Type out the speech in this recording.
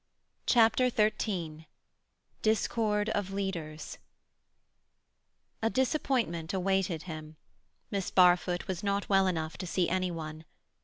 CHAPTER XIII DISCORD OF LEADERS A disappointment awaited him. Miss Barfoot was not well enough to see any one.